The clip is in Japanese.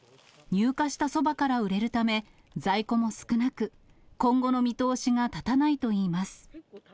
入荷したそばから売れるため、在庫も少なく、今後の見通しが立たないといいます。